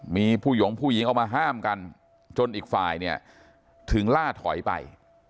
มีผู้หยงผู้หญิงเอามาห้ามกันจนอีกฝ่ายเนี่ยถึงล่าถอยไป